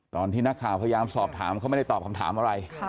ตอนที่นักข่าวพยายามสอบถามเขาไม่ได้ตอบคำถามอะไร